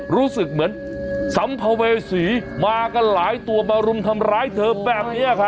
รู้สึกเหมือนสัมภเวษีมากันหลายตัวมารุมทำร้ายเธอแบบนี้ครับ